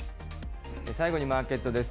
最後にマーケットです。